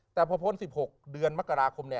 แต่พอพ้น๑๖เดือนมกราคม